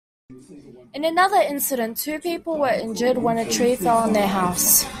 In another incident two people were injured when a tree fell on their house.